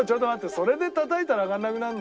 それでたたいたら上がらなくなるの？